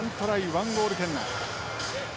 １ゴール圏内。